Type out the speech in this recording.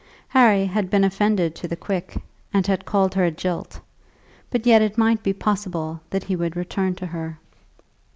Harry had been offended to the quick, and had called her a jilt; but yet it might be possible that he would return to her.